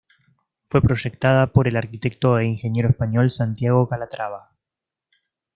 Fue proyectada por el arquitecto e ingeniero español Santiago Calatrava.